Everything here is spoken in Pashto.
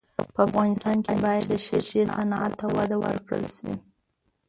په افغانستان کې باید د ښیښې صنعت ته وده ورکړل سي.